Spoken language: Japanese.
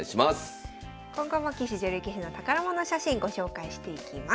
今後も棋士女流棋士の宝物写真ご紹介していきます。